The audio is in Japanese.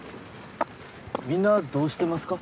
みんなどうしてますか？